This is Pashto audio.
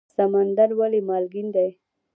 سمندر ولې مالګین دی؟